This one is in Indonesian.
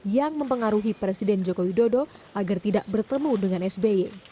yang mempengaruhi presiden joko widodo agar tidak bertemu dengan sby